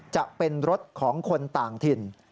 จะเป็นรถของคนต่างถิ่น